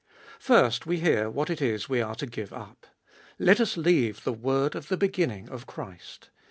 First we hear what it is we are to give up. Let US leave the word of the beginning of Christ.